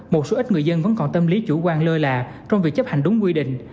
một số ít người dân vẫn còn tâm lý chủ quan lơ là trong việc chấp hành đúng quy định